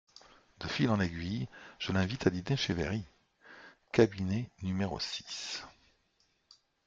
De fil en aiguille, je l’invite à dîner chez Véry !… cabinet numéro six…